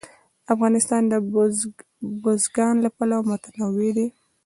افغانستان د بزګان له پلوه متنوع دی.